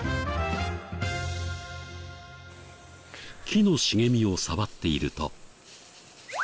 木の茂みを触っていると。